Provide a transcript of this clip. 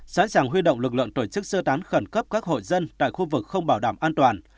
sẵn sàng huy động lực lượng tổ chức sơ tán khẩn cấp các hội dân tại khu vực không bảo đảm an toàn